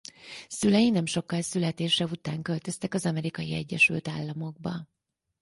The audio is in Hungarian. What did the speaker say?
Szülei nem sokkal születése után költöztek az Amerikai Egyesült Államokba.